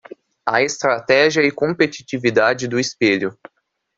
A estratégia e competitividade do espelho